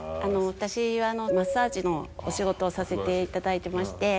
私はマッサージのお仕事をさせていただいてまして。